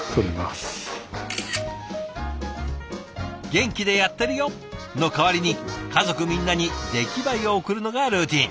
「元気でやってるよ！」の代わりに家族みんなに出来栄えを送るのがルーティン。